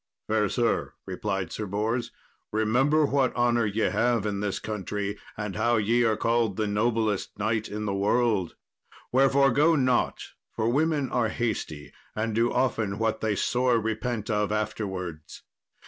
"Fair sir," replied Sir Bors, "remember what honour ye have in this country, and how ye are called the noblest knight in the world; wherefore go not, for women are hasty, and do often what they sore repent of afterwards.